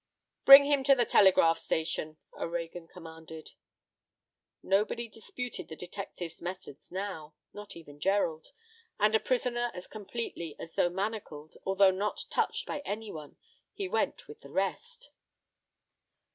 "Bring him to the telegraph station," O'Reagan commanded. Nobody disputed the detective's methods now not even Gerald; and a prisoner as completely as though manacled, although not touched by any one, he went with the rest.